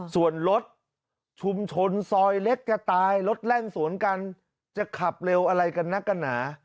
ส่วนรถชุมชนซอยเล็กจะตายรถแล่นสวนกันจะขับเร็วอะไรกันนักกันหนา